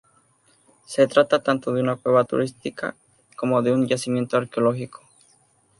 Se trata tanto de una cueva turística como de un yacimiento arqueológico.